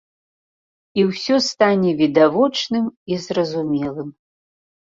І ўсё стане відавочным і зразумелым.